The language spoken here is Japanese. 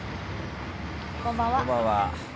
こんばんは。